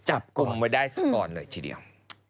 จับกลุ่มไว้ได้ซะก่อนเลยทีเดียว